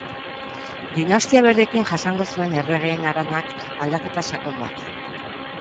Dinastia berriekin jasango zuen Erregeen haranak aldaketa sakon bat.